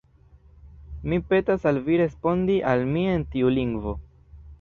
Mi petas al vi respondi al mi en tiu lingvo.